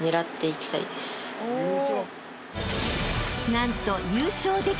［何と］